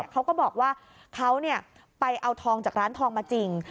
เขาก็บอกว่าเขาไปเอาทองจากร้านทองมาจริง